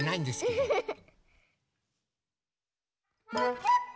ウフフフ！